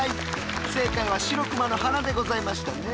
正解はシロクマの鼻でございましたね。